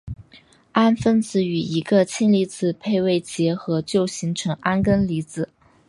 氨分子与一个氢离子配位结合就形成铵根离子。